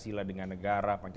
percayalah dengan negara negara